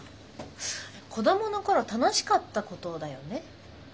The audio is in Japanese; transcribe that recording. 子どもの頃楽しかったことだよね。